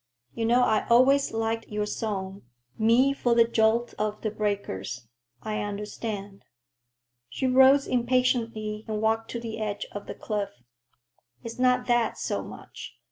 You know I always liked your song, 'Me for the jolt of the breakers!' I understand." She rose impatiently and walked to the edge of the cliff. "It's not that so much.